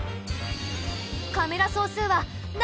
カメラ総数はな